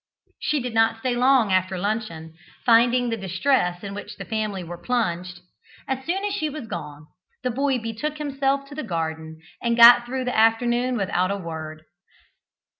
She did not stay long after luncheon, finding the distress in which the family were plunged, and as soon as she was gone, the boy again betook himself to the garden, and got through the afternoon without a word.